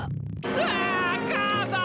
わ母さん！